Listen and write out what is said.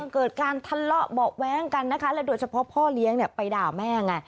เกิดการทะเลาะเบาะแว้งกันนะคะและโดยเฉพาะพ่อเลี้ยงไปด่าแม่ไง